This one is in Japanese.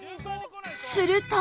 すると